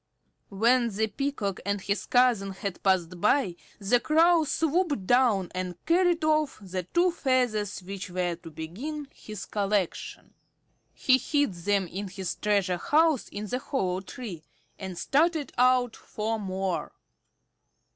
When the Peacock and his cousin had passed by, the Crow swooped down and carried off the two feathers which were to begin his collection. He hid them in his treasure house in the hollow tree, and started out for more.